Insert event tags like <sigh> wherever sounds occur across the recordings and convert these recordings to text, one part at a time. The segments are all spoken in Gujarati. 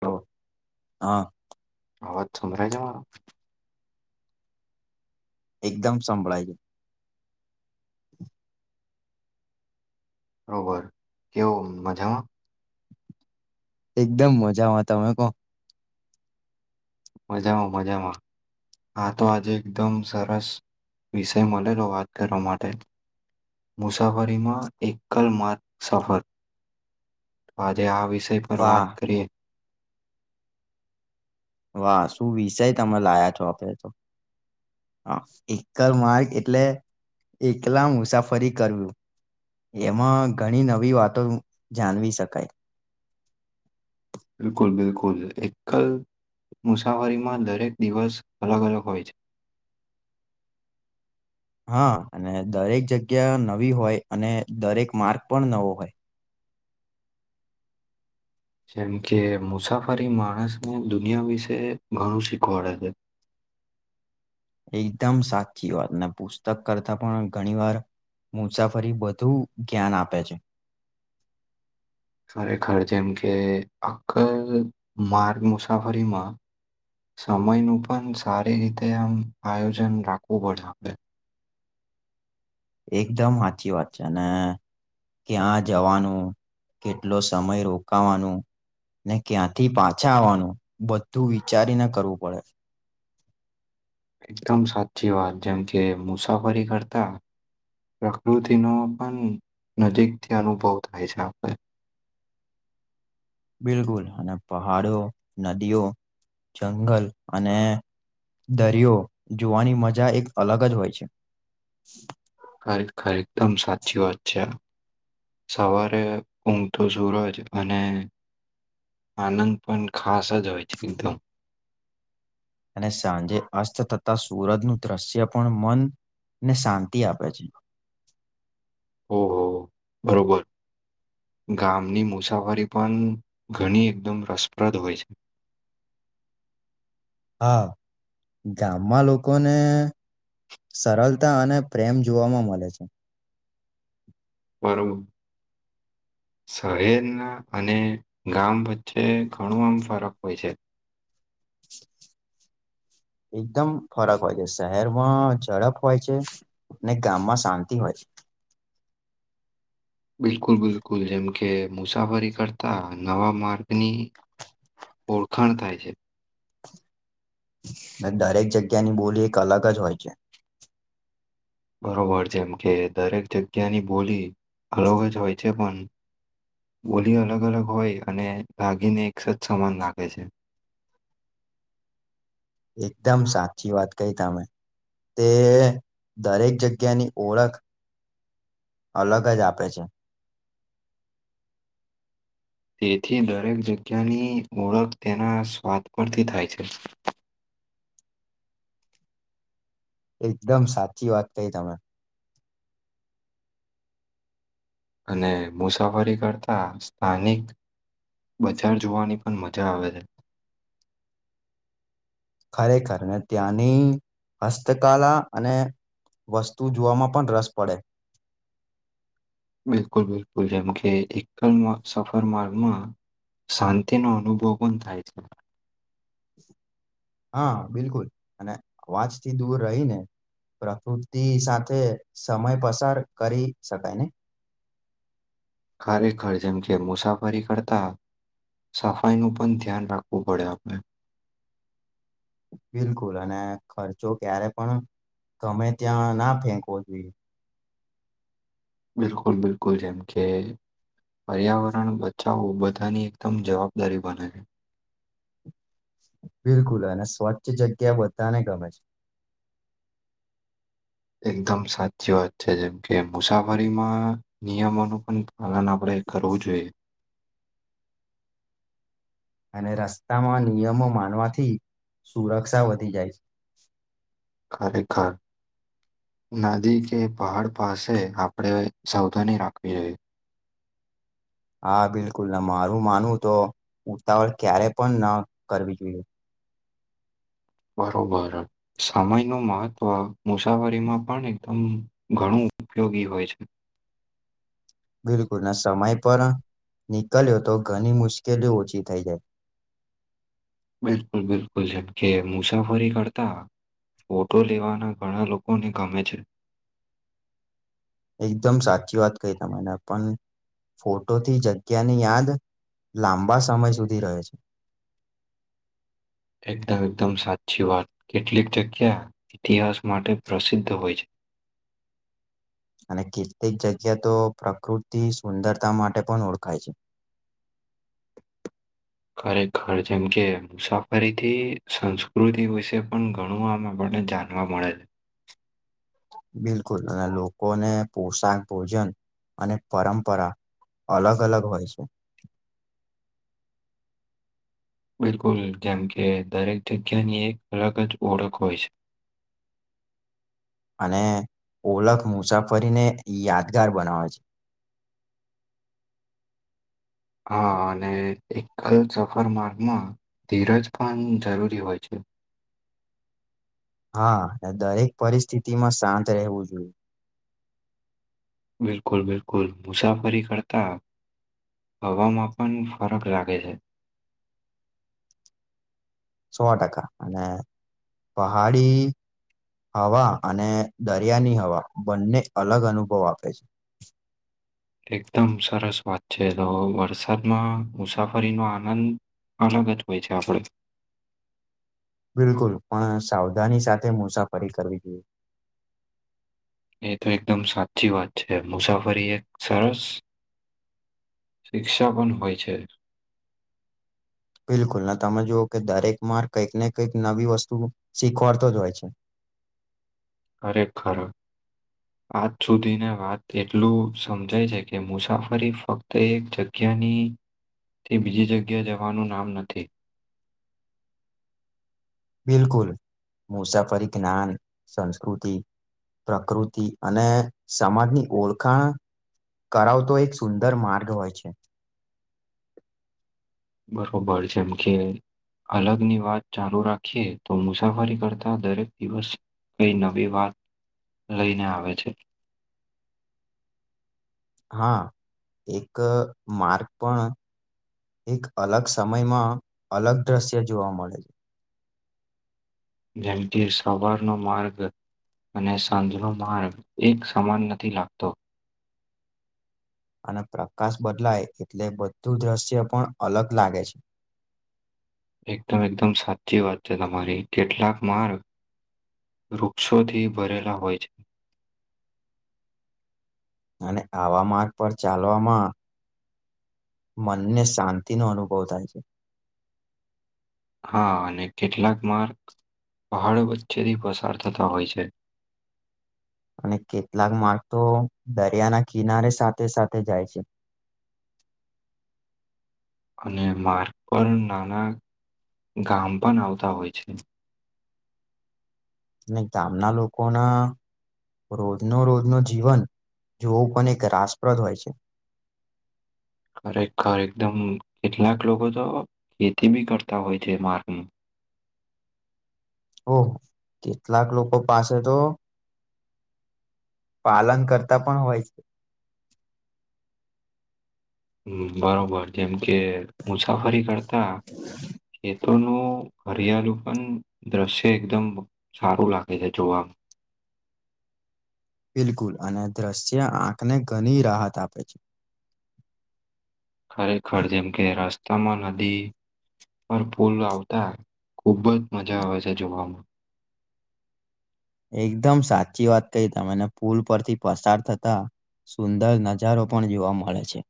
હો, હા. આવાજ સમ્રાય છે, મારો એકદમ સંભળાય, છે બરોબર કેવું, મજામાં. એકદમ મજામાં, તમે કો મજામાં, મજામાં આ, તો આજે એકદમ, સરસ વિષય મળેલો વાત કરવા માટે મુસાફરીમાં એકલ માર્ સફર આજે, આવી વિષય, પર વાત વાહ કરીએ વાહ શું વિષય તમે લાયા છો, આપડ તો હા, એકર માર્ગ એટલે એકલા મુસાફરી કરવી્યું એમાં ઘણી, નવી વાતો જાણવી શકાય બિલકુલ, બિલકુલ એકલ મુસાફરીમાં, દરેક દિવસ અલગ અલગ હોય, છે. હા, અને દરેક જગ્યા નવી હોય, અને દરેક માર્ગ પણ નવો હોય. જેમ કે મુસાફરી માણસને દુનિયા, વિશે ઘણું શીખવાડે છે. એકદમ સાથીીઓ પુસ્તક કરતા, પણ ઘણી વાર મુસાફરી ભદુ જ્ઞાન આપે છે. <inaudible> ખરેખર જેમ કે અક્કલ માર્ગ મુસાફરીમાં સમયનું પણ સારી રીતે આમ આયોજન રાખવું પડશે આપણે. એકદમ સાચી વાત છે ને. ક્યાં જવાનું કેટલો સમય રોકાવાનું. ને ક્યાંથી પાછા આવવાનું બધું વિચારીને કરવું પડે. એકદમ સાચી વાત જેમ કે મુસાફરી કરતા પ્રકૃતિનો પણ નજીકથી અનુભવ થાય છે આપણે બિલકુલ અને પહાડો નદીઓ જંગલ અને દરિયો જોવાની મજા એક અલગ જ હોય છે. ખરેખર એકદમ સાચી વાત છેઆ. સવારે ઊંઘતો સૂરજ અને આનંદ પણ ખાસ જ હોય છે એકદમ. અને સાંજે અસ્ત થતા સુરજનું દ્રશ્ય પણ મન ને શાંતિ આપે છે. ઓહો બરોબર. ગામની મુસાફરી પણ ઘણી એકદમ રસપ્રદ હોય છે. <inaudible> હા ગામમાં લોકોને સરળતા અને પ્રેમ જોવામાં મળે છે. માારમ. શહેરના અને ગામ વચ્ચે ઘણું આમ ફરક હોય છે. એકદમ ફરક હોય છે શહેરમાં ઝડપ હોય છે ને ગામમાં શાંતિ હોય છે. <inaudible> બિલકુલ બિલકુલ જેમ કે મુસાફરી કરતા નવા માર્ગની ઓળખાણ થાય છે. દરેક જગ્યાની બોલી એક અલગ જ હોય છે. બરોબર જેમ કે દરેક જગ્યાની બોલી અલગ જ હોય છે પણ બોલી અલગ અલગ હોય અને લાગીને એક સજ સમાન લખે છે. <inaudible> એકદમ સાચી વાત કહી તમે. તે દરેક જગ્યાની ઓળખ અલગ જ આપે છે. તેથી દરેક જગ્યાની ઓળખ તેના સ્વાદ પરથી થાય છે. <inaudible> એકદમ સાચી વાત કહી તમે. અને મુસાફરી કરતા સ્થાનિક બજાર જોવાની પણ મજા આવે છે. ખરેખર ને ત્યાંની હસ્તકલા અને વસ્તુ જોવામાં પણ રસ પડે. બિલકુલ બિલકુલ જેમ કે એકલ સફર માર્ગમાં શાંતિનો અનુભવ પણ થાય છે. હા બિલકુલ અને અવાજથી દૂર રહીને પ્રકૃતિ સાથે સમય પસાર કરી શકાય ને? ખરેખર જેમ કે મુસાફરી કરતા સફાઈનું પણ ધ્યાન રાખવું પડે આપણે બિલકુલ અને ખર્ચો ક્યારે પણ તમે ત્યાં ના ફેંકવો જોઈએ. બિલકુલ બિલકુલ જેમ કે પર્યાવરણ બચાવવું બધાની એકદમ જવાબદારી બનાવી. બિલકુલ અને સ્વચ્છ જગ્યા બધાને ગમે છે, એકદમ સાચી વાત છે, જેમ કે મુસાફરીમાં નિયમોનું પણ હલન આપડે કરવું જોઈએ, અને રસ્તામાં નિયમો માનવાથી સુરક્ષા વધી જાય છે, ખાલિદ ખાન નદી કે પહાડ પાસે આપણે સાવધાની રાખવી જોઈએ, હા, બિલકુલ ના મારું માનવું તો ઉતાવળ ક્યારે પણ ન કરવી જોઈએ. બરોબર સમય નું મહત્વ મુસાફરીમાં પણ એકદમ ઘણું ઉપયોગી હોય છે, બિલકુલ ના સમય પર નીકલ્યો તો ઘણી મુશ્કેલી ઓછી થઈ જાય. બિલકુલ બિલકુલ જેઝમ કે મુસાફરી કરતા ફોટો લેવાના ઘણા લોકોને ગમે છે, એકદમ સાચી વાત ક ત મને પણ ફોટોથી જગ્યાની યાદ લાંબા સમય સુધી રહે છે, <inaudible> એકદમ એકદમ સાચી વાત કેટલીક જગ્યા ઇતિહાસ માટે પ્રસિદ્ધ હોય છે, <unintelligible> અને કેટલીક જગ્યા તો પ્રકૃતિ સુંદરતા માટે પણ ઓળખાય છે, <unintelligible> ખરેખર જેમ કે મુસાફરીથી સંસ્કૃતિ વિશે પણ ઘણું આમાં પે જાણવા મળેલ, બિલકુલ અને લોકોને પોશાક ભોજન અને પરંપરા અલગ અલગ હોય છે, <unintelligible> બિલકુલ જેમ કે દરેક જગ્યાની એક અલગ જ ઓળખ હોય છે, <unintelligible> અને ઓળખ મુસાફરીને યાદગાર બનાવે છે, <unintelligible> હા અને એકલ સફર માર્ગમાં ધીરજ પણ જરૂરી હોય છે, <unintelligible> હા દરેક પરિસ્થિતિ માં શાંત રહેવું જોઈએ, બિલકુલ બિલકુલ મુસાફરી કરતા હવામાં પણ ફરક લાગે છે, સો ટકા અને પહાડી હવા અને દરિયાની હવા બંને અલગ અનુભવ આપે છે, <unintelligible> એકદમ સરસ વાત છે, તો વરસાદમાં મુસાફરીનો આનંદ અલગ જ હોય છે, આપણે બિલકુલ પણ સાવધાની સાથે મુસાફરી કરવી જોઈએ, એ તો એકદમ સાચી વાત છે, મુસાફરી એક સરસ શિક્ષા પણ હોય છે, બિલકુલ તમે જુઓ કે દરેક માર કંઈક ને કંઈક નવી વસ્તુ શીખવાડતો જ હોય છે, અરે ખરા આજ સુધીની વાત એટલું સમજાય છે, કે મુસાફરી ફક્ત એક જગ્યા ની થી બીજી જગ્યા જવાનું નામ નથી. બિલકુલ મુસાફરી જ્ઞાન સંસ્કૃતિ પ્રકૃતિ અને સમાજની ઓળખાણ કરાવતો એક સુંદર માર્ગ હોય છે. બરોબર જેમ કે અલગની વાત ચાલુ રાખીએ તો મુસાફરી કરતા દરેક દિવસ કઈ નવી વાત લઈને આવે છે. હા, એક માર્ક પણ એક અલગ સમયમાં અલગ દ્રશ્ય જોવા મળે છે. જેમથી સવારનો માર્ગ અને સાંજનો માર્ગ એક સમાન નથી લાગતો. અને પ્રકાશ બદલાય એટલે બધું દ્રશ્ય પણ અલગ લાગે છે. એકદમ એકદમ સાચી વાત છે તમારી. કેટલાક માર્ગ વૃક્ષોથી ભરેલા હોય છે. અને આવા માર્ગ પર ચાલવામાં મનને શાંતિનો અનુભવ થાય છે. હા અને કેટલાક માર્ગ પહાડો વચ્ચેથી પસાર થતા હોય છે. અને કેટલાક માળ તો દરિયાના કિનારે સાથે સાથે જાય છે. અને માર્ગ પર નાના ગામ પણ આવતા હોય છે. અને ગામના લોકો ના રોજનો રોજનો જીવન જોવું પણ એક રાસપ્રદ હોય છે. ખરેખર એકદમ કેટલાક લોકો તો ખેતી બી કરતા હોય છે માર્ગ નું. ઓહ કેટલાક લોકો પાસે તો પાલન કરતા પણ હોય છે. હમ્મ, બરોબર જેમ કે મુસાફરી કરતા કે તો નો હરિયાળું પણ દ્રશ્ય એકદમ સારું લાગે છે જોવા બિલકુલ અને દ્રશ્ય આંખને ઘણી રાહત આપે છે. ખરેખર જેમ કે રસ્તામાં નદી પર પુલ આવતા ખુબ જ મજા આવે છે જોવામાં. એકદમ સાચી વાત તઈ તમેને પુલ પરથી પસાર થતા સુંદર નજારો પણ જોવા મળે છે.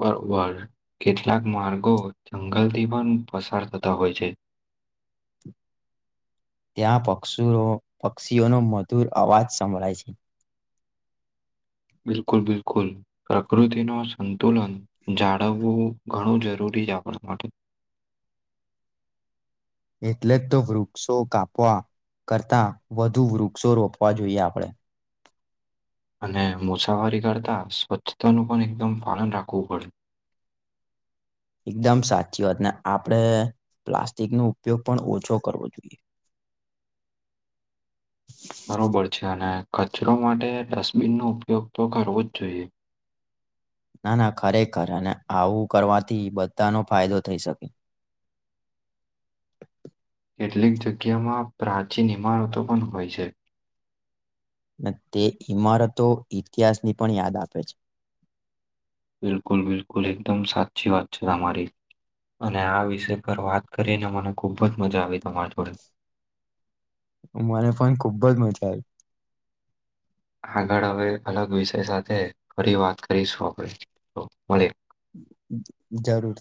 બરોબર કેટલાક માર્ગો જંગલથી પણ પસાર થતા હોય છે. ત્યાં પક્ષુરો પક્ષીઓનો મધુર અવાજ સંભળાય છે. બિલકુલ, બિલકુલ પ્રકૃતિ નો સંતુલન જાળવવું ઘણું જરૂરી બીજ આપણા પાટે એટલે જ તો વૃક્ષો કાપવા કરતાં વધુ વૃક્ષો રોપવા જોઈએ આપણે. અને મુસાફરી કરતાં સ્વચ્છતાનું પણ એકદમ પાલન રાખવું પડે. એકદમ સાચી વાત ને આપણેે પ્લાસ્ટિક નો ઉપયોગ પણ ઓછો કરવો જોઈએ. બરોબર છે અને કચરો માટે ડસ્ટબિનનો ઉપયોગ તો કરવો જ જોઈએ. ના ના ખરેખર અને આવું કરવાથી બધાનો ફાયદો થઈ શકે. કેટલીક જગ્યામાં પ્રાચીન ઈમારતો પણ હોય છે. અને તે ઈમારતો ઇતિહાસની પણ યાદ આપે છે. બિલકુલ બિલકુલ એકદમ સાચચી વાત છે અમારી. અને આ વિષય પર વાત કરીને મને ખૂબ જ મજા આવી તમાર જોડે. મને પણ ખુબ જ મજા આઈ. આગળ હવે અલગ વિષય સાથે ફરી વાત કરીશું આપણે, તો મળીએ. અમ્મ, અમ્મ જરૂર.